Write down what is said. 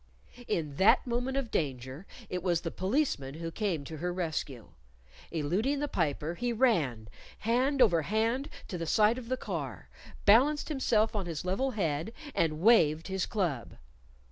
In that moment of danger it was the Policeman who came to her rescue. Eluding the Piper, he ran, hand over hand, to the side of the car, balanced himself on his level head, and waved his club.